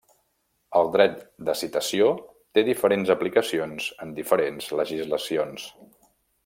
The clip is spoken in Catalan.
El dret de citació té diferents aplicacions en diferents legislacions.